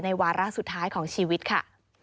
วาระสุดท้ายของชีวิตค่ะ